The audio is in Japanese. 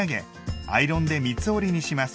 アイロンで三つ折りにします。